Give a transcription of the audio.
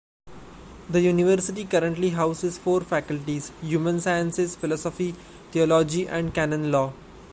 The university currently houses four faculties: Human Sciences, Philosophy, Theology and Canon Law.